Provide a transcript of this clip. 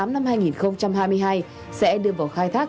năm hai nghìn hai mươi hai sẽ đưa vào khai thác